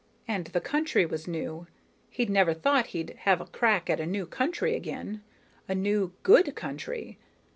And, the country was new. He'd never thought he'd have a crack at a new country again, a new, good country.